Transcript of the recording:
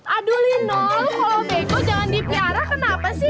aduh lino kalo bego jangan dipiara kenapa sih